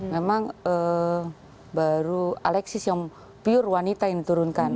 memang baru alexis yang pure wanita yang diturunkan